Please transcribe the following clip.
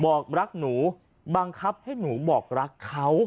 บอกรักหนูบังคับให้หนูบอกรักเขา